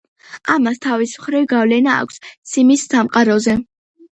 ამას, თავის მხრივ, გავლენა აქვს სიმის სამყაროზე.